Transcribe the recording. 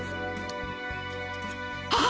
あっ！